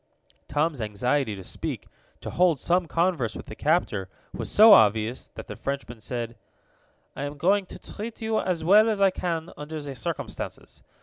Tom's anxiety to speak, to hold some converse with the captor, was so obvious that the Frenchman said: "I am going to treat you as well as I can under the circumstances.